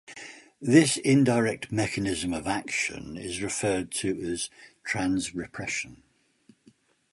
This indirect mechanism of action is referred to as transrepression.